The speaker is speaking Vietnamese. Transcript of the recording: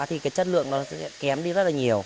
thì chất lượng sẽ kém đi rất nhiều